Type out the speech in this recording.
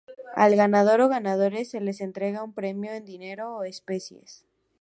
Al ganador o ganadores se les entrega un premio en dinero o especies.